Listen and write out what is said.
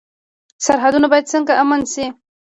سرحدونه باید څنګه امن شي؟